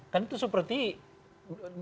kan itu seperti berlakunya